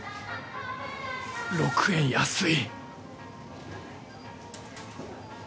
６円安い